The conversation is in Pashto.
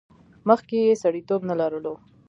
مخکې یې سړیتیوب نه لرلو.